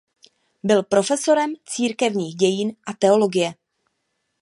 Byl profesorem církevních dějin a teologie.